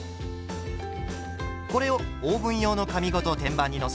これをオーブン用の紙ごと天板に載せ